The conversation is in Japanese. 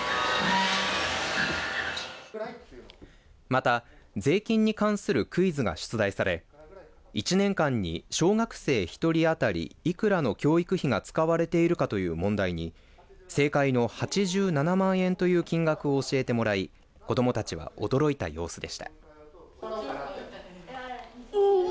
また税金に関するクイズが出題され１年間に小学生１人当たりいくらの教育費が使われているかという問題に正解の８７万円という金額を教えてもらい子どもたちは驚いた様子でした。